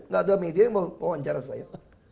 gak ada media yang mau wawancara saya